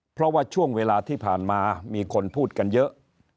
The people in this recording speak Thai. เพราะว่าช่วงเวลาที่ผ่านมามีคนพูดกันเยอะ